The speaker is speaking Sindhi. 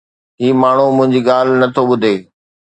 هي ماڻهو منهنجي ڳالهه نه ٿو ٻڌي